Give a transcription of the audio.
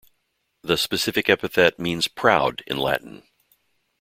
The specific epithet means "proud" in Latin.